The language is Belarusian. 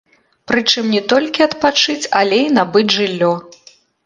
Прычым не толькі адпачыць, але і набыць жыллё.